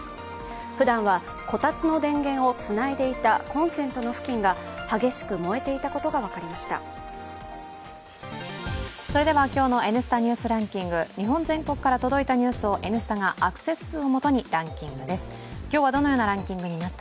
ふだんはこたつの電源をつないでいたコンセントの付近が激しく燃えていたことが分かりました。